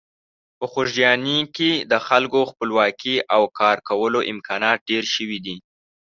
په خوږیاڼي کې د خلکو خپلواکي او کارکولو امکانات ډېر شوي دي.